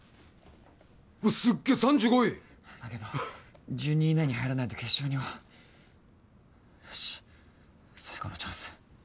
うわすっげえ３５位だけど１２位以内に入らないと決勝にはよし最後のチャンス